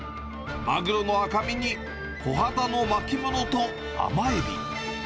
マグロの赤身にコハダの巻物と、甘エビ。